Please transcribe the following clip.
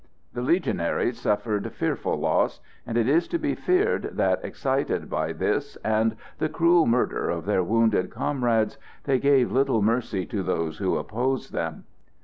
The Legionaries suffered fearful loss; and it is to be feared that, excited by this and the cruel murder of their wounded comrades, they gave little mercy to those who opposed them.